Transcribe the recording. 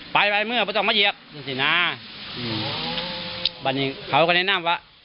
ไปไปเมื่อประจำมาเยียบสินะอืมบันนี้เขาก็แนะนำว่า